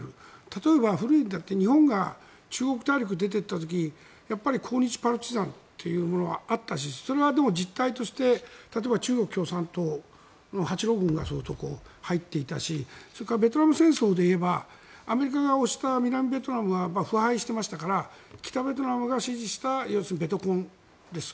例えば日本が中国大陸に出ていった時やっぱり抗日パルチザンというのはあったしそれはでも、実態として例えば中国共産党の軍が入っていたしそれとベトナム戦争でいえばアメリカが推した南ベトナムは腐敗していましたから北ベトナムが支持したベトコンです。